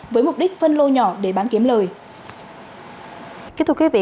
với mục đích phân lô nhỏ để bán kiếm lời